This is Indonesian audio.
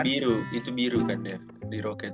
itu biru itu biru kan ya di rockets